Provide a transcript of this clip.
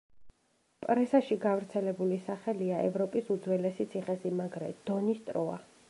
პრესაში გავრცელებული სახელია „ევროპის უძველესი ციხესიმაგრე“ „დონის ტროა“.